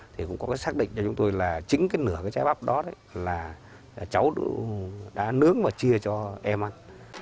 thì cũng có cái xác định cho chúng tôi là chính cái nửa cái trái bắp đó đấy là cháu đã nướng và chia cho em ăn